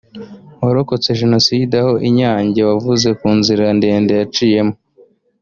warokotse Jenoside aho i Nyange wavuze ku nzira ndende yaciyemo